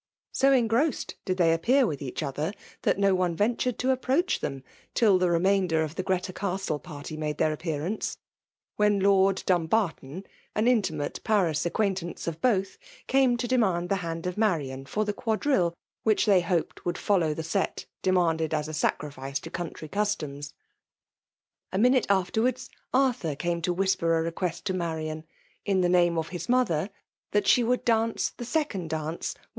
So engrossed did they appear with each athsEt that no one ventured to approach thein» till the remainder of the Grreta Caatle party made their appearance — ^when Lwd Dumbar ton, an intimate Paris acquaintance of both, cume to demand the hand of Marian for the qiaadrille which they hoped would follow the sat demanded a» a sacrifice to country customs. A minute afterwards, Arthur came to whisper a request to Marian, in the name of his mother, that she would dance the second dance with 128 FEMALE DOMINATION.